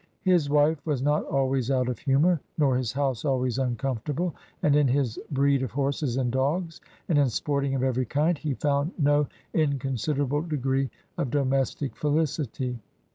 His wife was not always out of humor, nor his house always uncomfortable; and in his breed of horses^ and dogs, and in sporting of every kind, he found no inconsiderable degree of domestic feUcity."